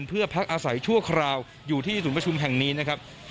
เพื่อพักอาศัยชั่วคราวอยู่ที่ศูนย์ประชุมแห่งนี้นะครับ